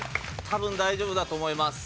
多分大丈夫だと思います。